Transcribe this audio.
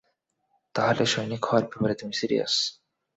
তাহলে, সৈনিক হওয়ার ব্যাপারে তুমি সিরিয়াস?